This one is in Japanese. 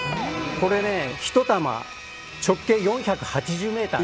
これ、ひと玉、直径４８０ｍ。